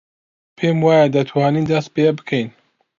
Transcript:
پێم وایە دەتوانین دەست پێ بکەین.